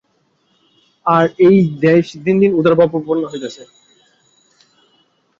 আর এই দেশ দিন দিন উদারভাবাপন্ন হইতেছে।